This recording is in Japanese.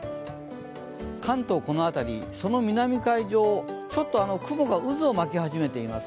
関東、この辺り、南海上ちょっと雲が渦を巻き始めています。